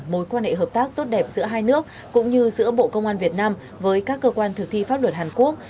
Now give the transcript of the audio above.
mối quan hệ hợp tác tốt đẹp giữa hai nước cũng như giữa bộ công an việt nam với các cơ quan thực thi pháp luật hàn quốc